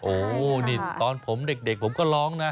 โอ้โหนี่ตอนผมเด็กผมก็ร้องนะ